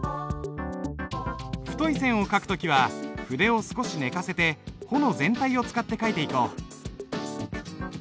太い線を書く時は筆を少し寝かせて穂の全体を使って書いていこう。